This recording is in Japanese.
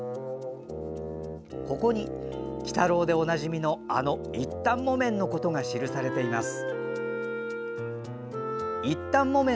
ここに「鬼太郎」でおなじみのあの一反木綿のことが記されています。